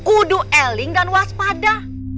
uduh eling dan waspada